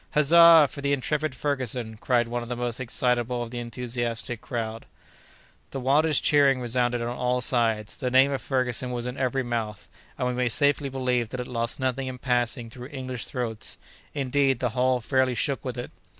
"Huzza for the intrepid Ferguson!" cried one of the most excitable of the enthusiastic crowd. The wildest cheering resounded on all sides; the name of Ferguson was in every mouth, and we may safely believe that it lost nothing in passing through English throats. Indeed, the hall fairly shook with it.